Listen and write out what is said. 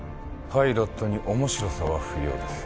パイロットに面白さは不要です。